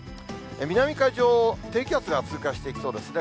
南海上を低気圧が通過していきそうですね。